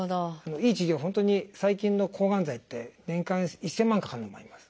いい治療は本当に最近の抗がん剤って年間１，０００万かかるのもあります。